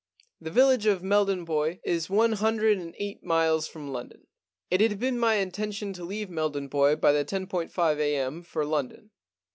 The village of Meldon Bois is one hundred and eight miles from London. It had been my intention to leave Meldon Bois by the 10.5 a.m. for London.